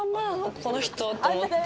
この人って思って。